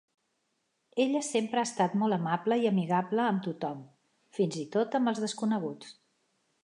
Ella sempre ha estat molt amable i amigable amb tothom, fins i tot amb els desconeguts.